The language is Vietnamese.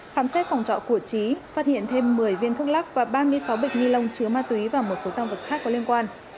khám xét phòng trọ của trí phát hiện thêm một mươi viên thuốc lắc và ba mươi sáu bịch ni lông chứa ma túy và một số tăng vật khác có liên quan